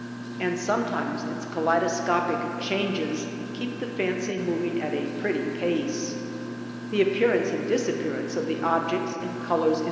And sometimes its kaleidoscopic changes keep the fancy moving at a pretty pace. The appearance and disappear ance of the objects and colors in the mirage The swim ming wo\f.